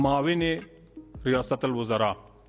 mawini riasatil wazarah